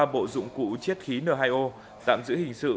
ba bộ dụng cụ chiết khí n hai o tạm giữ hình sự